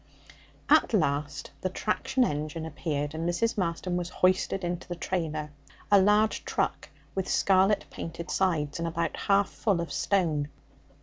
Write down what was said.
At last the traction engine appeared, and Mrs. Marston was hoisted into the trailer a large truck with scarlet painted sides, and about half full of stone.